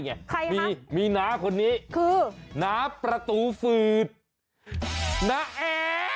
ใช่ไงมีนาคนนี้คือนาประตูฝืดนาแอ